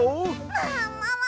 ももも！わ！